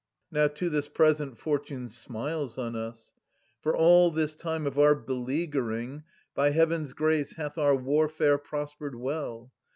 Now, to this present, fortune smiles on us : For all this time of our beleaguering By Heaven's grace hath our warfare prospered well.